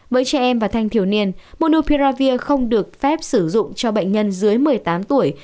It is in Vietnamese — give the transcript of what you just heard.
với trẻ em và thanh thiếu niên monophiravir không được phép sử dụng cho bệnh nhân dưới một mươi tám tuổi